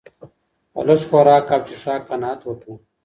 په لږ خوراک او څښاک قناعت وکړه.